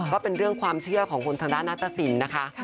ก็เป็นเรื่องความเชื่อของคนทางด้านนัตตสินนะคะ